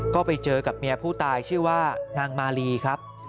ก็ไปเจอกับเมียผู้ตายชื่อว่านางมาลีครับ